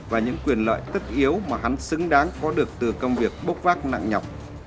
và những quyền lợi tức yếu mà hắn xứng đáng có được từ công việc bốc vác nặng nhọc